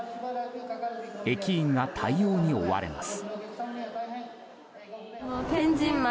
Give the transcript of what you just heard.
駅員が対応に追われます。